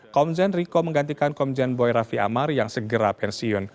komjen riko menggantikan komjen boy raffi amar yang segera pensiun